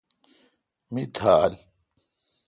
می تھال۔